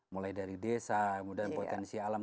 mulai dari desa kemudian potensi alam